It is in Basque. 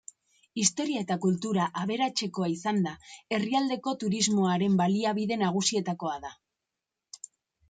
Historia eta kultura aberatsekoa izanda, herrialdeko turismoaren baliabide nagusietakoa da.